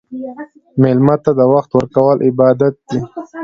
مېلمه ته وخت ورکول عبادت دی.